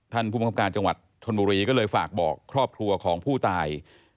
ผู้บังคับการจังหวัดชนบุรีก็เลยฝากบอกครอบครัวของผู้ตาย